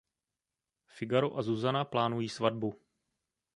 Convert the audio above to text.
Figaro a Zuzana plánují svatbu.